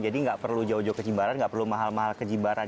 jadi nggak perlu jauh jauh ke jimbaran nggak perlu mahal mahal ke jimbaran